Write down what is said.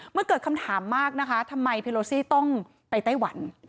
เมื่อเกิดคำถามมากนะคะทำไมเพโลซี่ต้องไปไต้หวัน